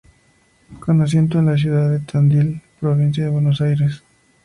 Con asiento en la ciudad de Tandil, provincia de Buenos Aires.